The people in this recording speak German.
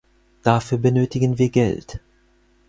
Dafür benötigen wir Geld.